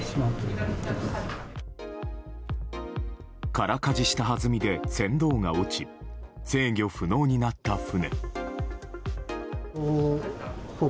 空かじしたはずみで船頭が落ち制御不能になった船。